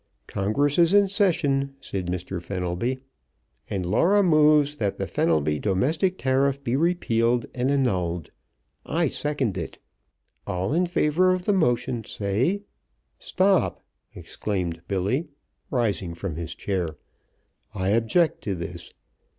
"Congress is in session," said Mr. Fenelby. "And Laura moves that the Fenelby Domestic Tariff be repealed and annulled. I second it. All in favor of the motion say " "Stop!" exclaimed Billy, rising from his chair. "I object to this!